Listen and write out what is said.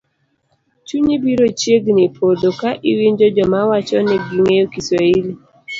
Chunyi biro chiegni podho ka iwinjo joma wacho ni gi ng'eyo Kiswahili